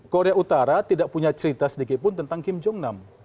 korea utara tidak punya cerita sedikit pun tentang kim jong nam